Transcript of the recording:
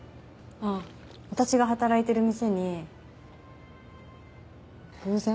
あっ私が働いてる店に偶然？